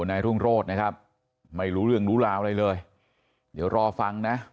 นายรุ่งโรธนะครับไม่รู้เรื่องรู้ราวอะไรเลยเดี๋ยวรอฟังนะ